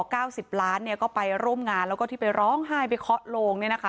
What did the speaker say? ๙๐ล้านตาเพื่อนก็ไปร่มงานแล้วเก็บอัตถิไปร้องไห้ไปค็าตโลง